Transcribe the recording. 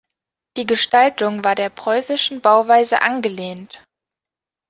Die Gestaltung war der preußischen Bauweise angelehnt.